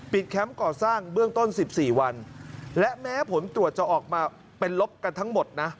แคมป์ก่อสร้างเบื้องต้นสิบสี่วันและแม้ผลตรวจจะออกมาเป็นลบกันทั้งหมดนะ